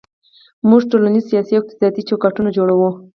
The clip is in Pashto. موږ ټولنیز، سیاسي او اقتصادي چوکاټونه جوړوو.